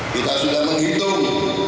kita sudah menghitung